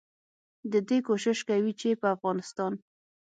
ددې کوشش کوي چې په افغانستان